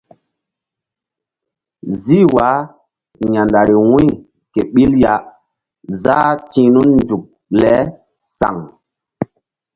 Zih wah ya̧lari wu̧y ke ɓil ya záh ti̧h nun nzuk le saŋ.